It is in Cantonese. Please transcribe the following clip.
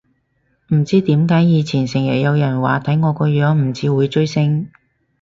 唔知點解以前成日有人話睇我個樣唔似會追星